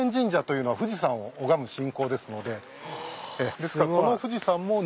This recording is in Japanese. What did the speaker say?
ですからこの富士山も。うわ！